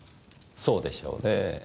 そうでしょうねぇ。